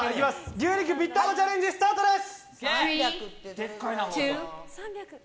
牛肉ぴったんこチャレンジスタートです！